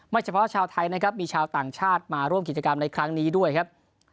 เฉพาะชาวไทยนะครับมีชาวต่างชาติมาร่วมกิจกรรมในครั้งนี้ด้วยครับ